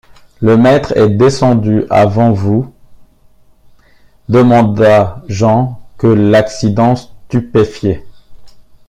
Le maître est descendu avant vous? demanda Jean, que l’accident stupéfiait.